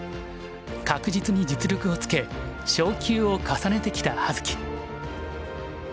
確実に実力をつけ昇級を重ねてきた葉月。